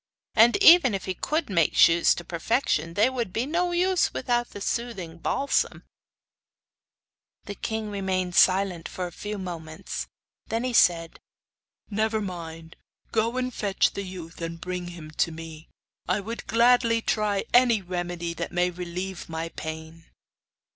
And even if he could make shoes to perfection they would be no use without the soothing balsam.' The king remained silent for a few moments, then he said: 'Never mind. Go and fetch the youth and bring him to me. I would gladly try any remedy that may relieve my pain.